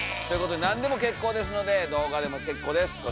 ということで何でも結構ですので動画でも結構です。